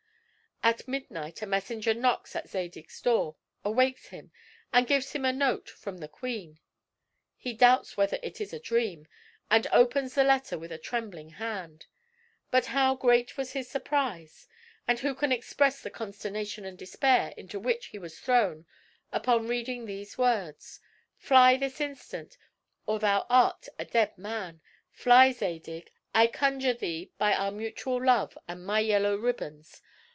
At midnight a messenger knocks at Zadig's door, awakes him, and gives him a note from the queen. He doubts whether it is a dream; and opens the letter with a trembling hand. But how great was his surprise! and who can express the consternation and despair into which he was thrown upon reading these words: "Fly this instant, or thou art a dead man. Fly, Zadig, I conjure thee by our mutual love and my yellow ribbons.